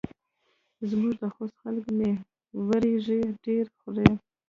زموږ د خوست خلک مۍ وریژې ډېرې خوري.